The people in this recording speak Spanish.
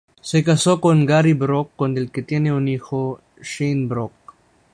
Se casó con Gary Brock, con el que tiene un hijo, Shane Brock.